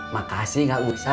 makasih gak usah